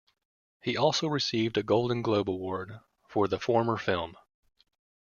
He also received a Golden Globe Award for the former film.